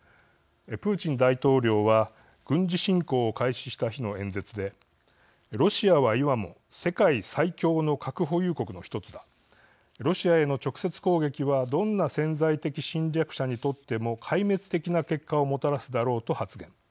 プーチン大統領は軍事侵攻を開始した日の演説で「ロシアは今も世界最強の核保有国の一つだ。ロシアへの直接攻撃はどんな潜在的侵略者にとっても壊滅的な結果をもたらすだろう」と発言。